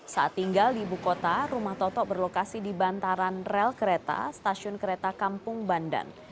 saat tinggal di ibu kota rumah toto berlokasi di bantaran rel kereta stasiun kereta kampung bandan